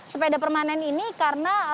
sepeda permanen ini karena